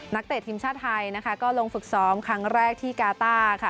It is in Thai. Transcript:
เตะทีมชาติไทยนะคะก็ลงฝึกซ้อมครั้งแรกที่กาต้าค่ะ